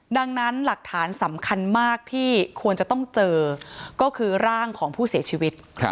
ดังนั้นหลักฐานสำคัญมากที่ควรจะต้องเจอก็คือร่างของผู้เสียชีวิต